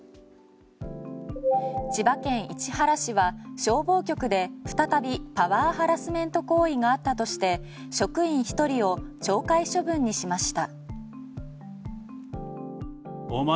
千葉県市原市は消防局で再びパワーハラスメント行為があったとして職員１人を懲戒処分にしました。